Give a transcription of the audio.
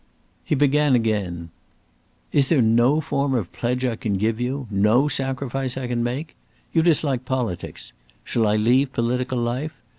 He began again: "Is there no form of pledge I can give you? no sacrifice I can make? You dislike politics. Shall I leave political life?